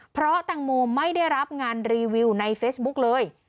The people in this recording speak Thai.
เพราะแตงโมไม่ได้รับงานรีวิวในเฟซบุ๊กเลย